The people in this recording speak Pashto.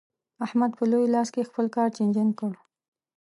احمد په لوی لاس خپل کار چينجن کړ.